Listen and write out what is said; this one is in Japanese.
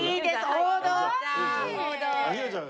王道だな！